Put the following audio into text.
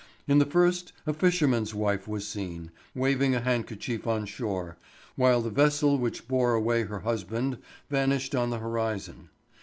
In the first a fisherman's wife was seen, waving a handkerchief on shore, while the vessel which bore away her husband vanished on the horizon.